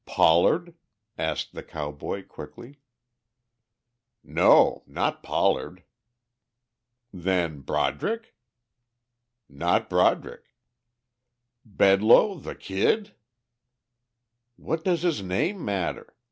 "Pollard?" asked the cowboy quickly. "No. Not Pollard." "Then Broderick?" "Not Broderick." "Bedloe?... The Kid?" "What does his name matter?